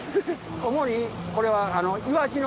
主にこれは。